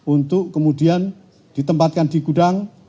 untuk kemudian ditempatkan di gudang